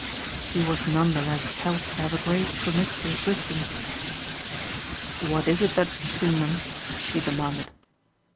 He was none the less held to have a great promiscuous wisdom. "What is it that's between them?" he demanded.